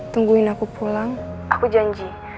tungguin aku pulang aku janji